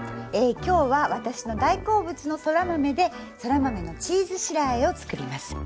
今日は私の大好物のそら豆でそら豆のチーズ白あえをつくります。